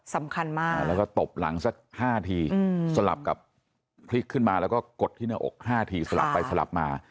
สำคัญมากแล้วก็ตบหลังสัก๕ทีสลับกับพลิกขึ้นมาแล้วก็กดที่หน้าอก๕ทีสลับไปสลับมา